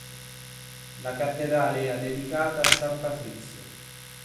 La cattedrale era dedicata a San Patrizio.